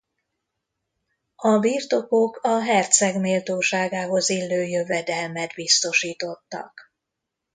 A birtokok a herceg méltóságához illő jövedelmet biztosítottak.